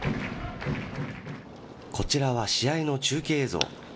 こちらは試合の中継映像。